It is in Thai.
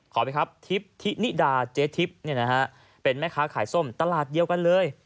ไปครับทิพย์ที่นิดาเจ๊ทิพย์เป็นแม่ค้าขายส้มตลาดเดียวกันเลย